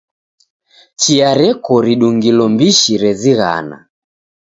Chia reko ridungilo mbishi rezighana.